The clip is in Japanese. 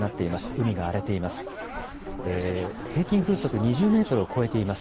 海が荒れています。